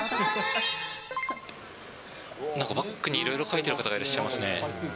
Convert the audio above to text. なんかバッグにいろいろ書いてる方がいらっしゃいますね。